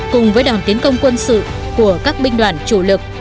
cùng với đòn tiến công quân sự của các binh đoàn chủ lực